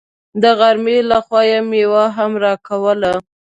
د غرمې له خوا يې مېوه هم راکوله.